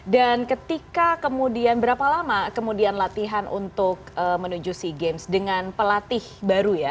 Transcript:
dan ketika kemudian berapa lama kemudian latihan untuk menuju sea games dengan pelatih baru ya